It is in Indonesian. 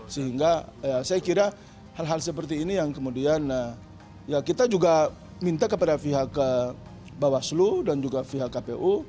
sehingga saya kira hal hal seperti ini yang kemudian ya kita juga minta kepada pihak bawaslu dan juga pihak kpu